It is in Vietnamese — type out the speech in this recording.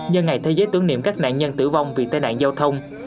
nhân ngày thế giới tưởng niệm các nạn nhân tử vong vì tai nạn giao thông